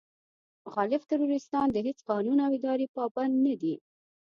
مخالف تروريستان د هېڅ قانون او ادارې پابند نه دي.